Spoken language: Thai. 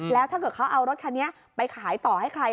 แล้วถ้าเกิดเขาเอารถคันนี้ไปขายต่อให้ใคร